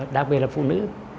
đặc biệt là phụ nữ